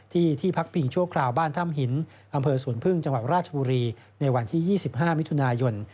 ที่ที่พักพิงชั่วคราวบ้านถ้ำหินอำเภอสวนพึ่งจังหวัดราชบุรีในวันที่๒๕มิถุนายน